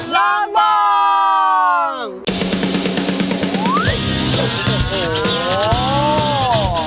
หลังบอง